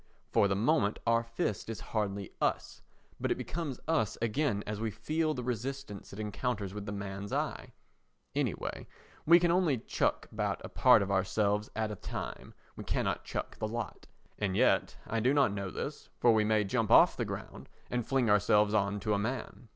For the moment, our fist is hardly "us," but it becomes "us" again as we feel the resistance it encounters from the man's eye. Anyway, we can only chuck about a part of ourselves at a time, we cannot chuck the lot—and yet I do not know this, for we may jump off the ground and fling ourselves on to a man.